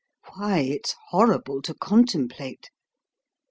Why, it's horrible to contemplate.